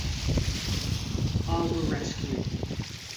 All were rescued.